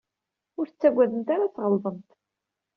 Ur ttagademt ara ad tɣelḍemt.